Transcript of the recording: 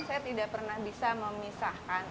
saya tidak pernah bisa memisahkan